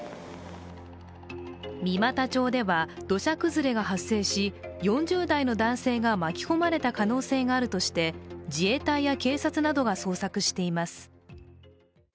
三股町では土砂崩れが発生し、４０代の男性が巻き込まれた可能性があるとして、自衛隊やな警察などが捜索しています。